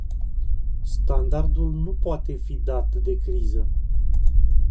Standardul nu poate fi dat de criză!